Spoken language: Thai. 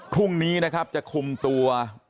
พรุ่งนี้นะครับจะคุมตัว